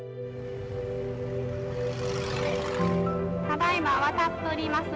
ただいま渡っております